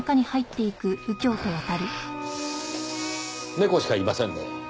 猫しかいませんねぇ。